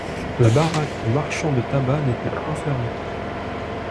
La baraque du marchand de tabac n'était point fermée.